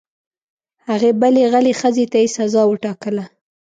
هغې بلې غلې ښځې ته یې سزا وټاکله.